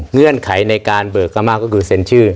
เงื่อนไขในการเบิกอาม่าก็คือเซ็นชื่อ